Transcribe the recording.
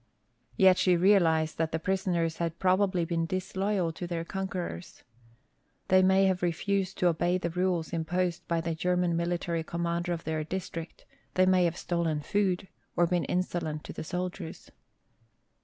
Yet she realized that the prisoners had probably been disloyal to their conquerors. They may have refused to obey the rules imposed by the German military commander of their district; they may have stolen food, or been insolent to the soldiers.